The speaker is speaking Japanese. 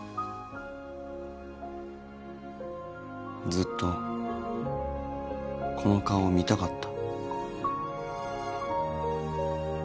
ずっとこの顔見たかった。